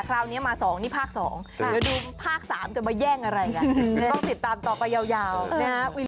คราวนี้มา๒นี่ภาค๒เดี๋ยวดูภาค๓จะมาแย่งอะไรกันต้องติดตามต่อไปยาวนะครับ